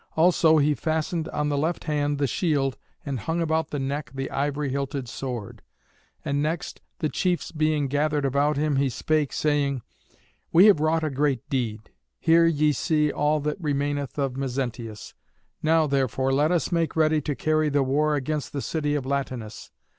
Also he fastened on the left hand the shield, and hung about the neck the ivory hilted sword. And next, the chiefs being gathered about him, he spake, saying, "We have wrought a great deed. Here ye see all that remaineth of Mezentius. Now, therefore, let us make ready to carry the war against the city of Latinus.